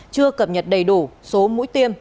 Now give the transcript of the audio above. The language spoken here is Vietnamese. chưa cập nhật đầy đủ số mũi tiêm